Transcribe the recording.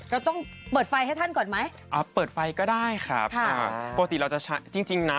เราต้องเปิดไฟให้ท่านก่อนไหมอ่าเปิดไฟก็ได้ครับอ่าปกติเราจะใช้จริงจริงนะ